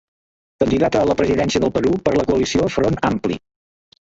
Candidata a la presidència del Perú per la coalició Front Ampli.